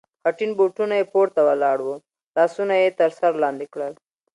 خټین بوټونه یې پورته ولاړ و، لاسونه یې تر سر لاندې کړل.